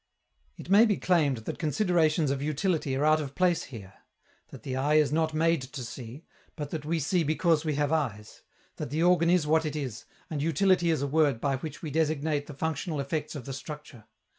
It may be claimed that considerations of utility are out of place here; that the eye is not made to see, but that we see because we have eyes; that the organ is what it is, and "utility" is a word by which we designate the functional effects of the structure.